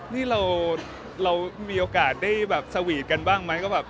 นี่เรามีโอกาสได้สวีทกันบ้างมั้ย